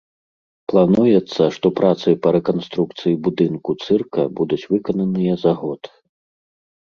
Плануецца, што працы па рэканструкцыі будынку цырка будуць выкананыя за год.